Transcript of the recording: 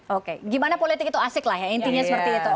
oke gimana politik itu asik lah ya intinya seperti itu